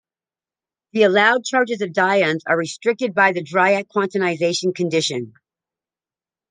The allowed charges of dyons are restricted by the Dirac quantization condition.